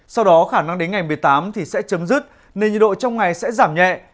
sau đó khả năng đến ngày một mươi tám thì sẽ chấm dứt nên nhiệt độ trong ngày sẽ giảm nhẹ